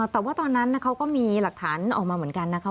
แต่ว่าตอนนั้นเขาก็มีหลักฐานออกมาเหมือนกันนะคะ